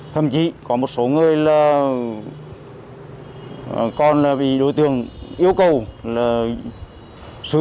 thậm chí có một số người còn bị đối tượng yêu cầu